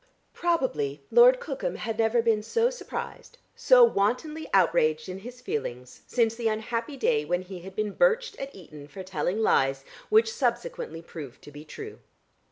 Probably Lord Cookham had never been so surprised, so wantonly outraged in his feelings since the unhappy day when he had been birched at Eton for telling lies, which subsequently proved to be true.